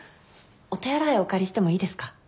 お手洗いお借りしてもいいですか？